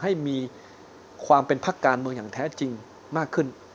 ให้มีความเป็นพักการเมืองอย่างแท้จริงมากขึ้น